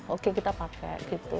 oke kita pakai gitu